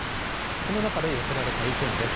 その中で寄せられた意見です。